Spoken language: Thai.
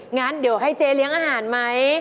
งั้นเดี๋ยวให้เจ๊เลี้ยงอาหารไหม